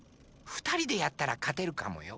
ふたりでやったらかてるかもよ。